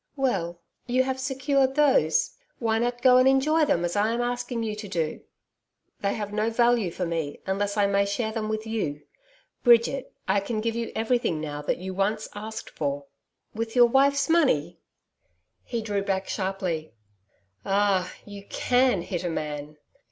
'Well, you have secured those. Why not go and enjoy them as I'm asking you to do.' 'They have no value for me, unless I may share them with you. Bridget, I can give you everything now that you once asked for.' 'With your wife's money?' He drew back sharply. 'Ah! You CAN hit a man!'